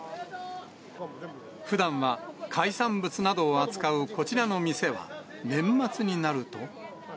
ふだんは海産物などを扱うこちらの店は、年末になると。